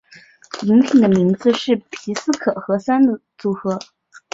饮品的名字是皮斯可和酸的组合。